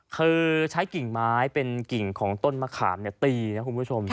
คือใช้กิ่งไม้เป็นกิ่งของต้นมะขามตีนะคุณผู้ชม